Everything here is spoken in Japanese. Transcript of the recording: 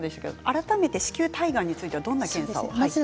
改めて子宮体がんについてどんな検査ですか？